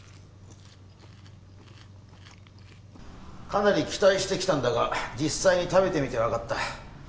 かなり期待してきたんだが実際に食べてみてわかった。